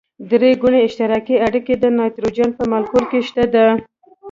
درې ګوني اشتراکي اړیکه د نایتروجن په مالیکول کې شته ده.